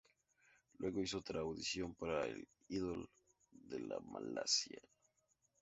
Luego hizo otra audición para el Idol de Malasia.